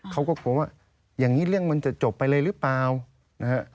เขาก็กลัวว่าอย่างนี้เรื่องมันจะจบไปเลยหรือเปล่านะฮะ